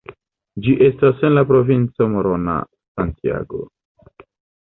Ĝi estas en la provinco Morona-Santiago.